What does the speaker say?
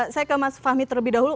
saya ke mas fahmi terlebih dahulu